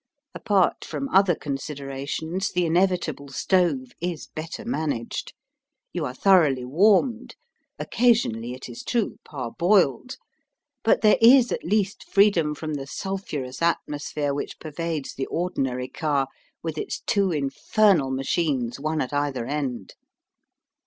Apart from other considerations, the inevitable stove is better managed. You are thoroughly warmed, occasionally, it is true, parboiled. But there is at least freedom from the sulphurous atmosphere which pervades the ordinary car, with its two infernal machines, one at either end.